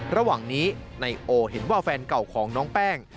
ระหว่างนี้นายโอเห็นว่าแฟนเก่าของน้องแป้ง